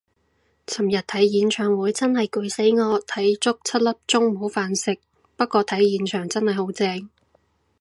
尋日睇演唱會真係攰死我，睇足七粒鐘冇飯食，不過睇現場真係好正